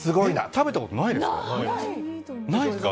食べたことないですか？